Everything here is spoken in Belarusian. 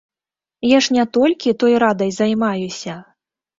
Я ж не толькі той радай займаюся!